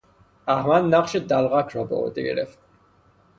احمد نقش دلقک را به عهده گرفت.